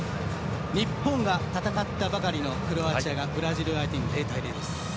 日本が戦ったばかりのクロアチアがブラジル相手に０対０です。